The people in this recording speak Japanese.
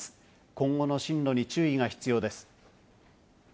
今後の進路に注意が必要です。